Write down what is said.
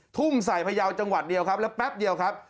ทุ่มใส่พยาวจังหวัดเดียวครับแล้วแป๊บเดียวครับ